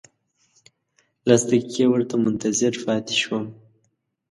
لس دقیقې ورته منتظر پاتې شوم.